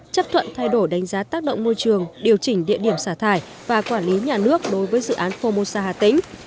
chấp thuận thay đổi đánh giá tác động môi trường điều chỉnh địa điểm xả thải và quản lý nhà nước đối với dự án formosa hà tĩnh